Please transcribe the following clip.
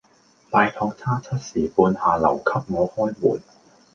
拜託她七時半下樓給我開門